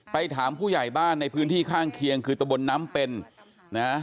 ถามผู้ใหญ่บ้านในพื้นที่ข้างเคียงคือตะบนน้ำเป็นนะ